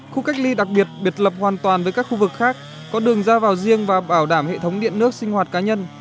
khu cách ly đặc biệt biệt lập hoàn toàn với các khu vực khác có đường ra vào riêng và bảo đảm hệ thống điện nước sinh hoạt cá nhân